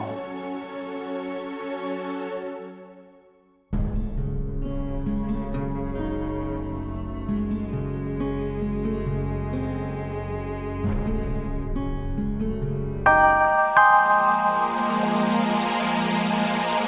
saya tak tarik pantai